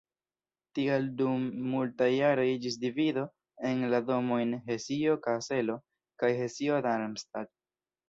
Tial dum multaj jaroj iĝis divido en la domojn Hesio-Kaselo kaj Hesio-Darmstadt.